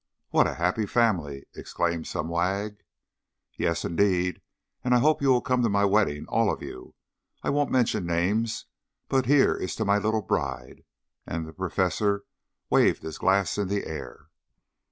"What a happy family!" exclaimed some wag. "Yes, indeed; and I hope you will come to my wedding, all of you. I won't mention names, but here is to my little bride!" and the Professor waved his glass in the air.